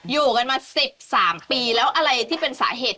อยู่กันมา๑๓ปีแล้วอะไรที่เป็นสาเหตุ